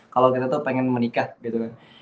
kalau kita tuh pengen menikah gitu kan